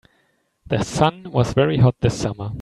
The sun was very hot this summer.